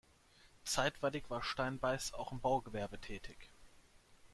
Zeitweilig war Steinbeis auch im Baugewerbe tätig.